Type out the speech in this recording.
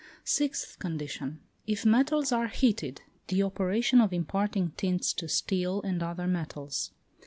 Sixth condition. If metals are heated; the operation of imparting tints to steel and other metals.